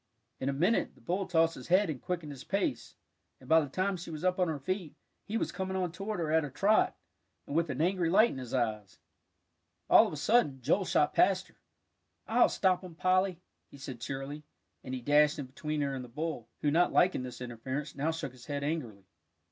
In a minute, the bull tossed his head and quickened his pace, and by the time she was up on her feet, he was coming on toward her at a trot, and with an angry light in his eyes. All of a sudden, Joel shot past her. "I'll stop him, Polly," he said cheerily, and he dashed in between her and the bull, who, not liking this interference, now shook his head angrily.